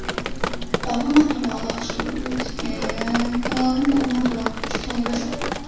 木本曼陀罗为植物界茄科木曼陀罗属下的一种。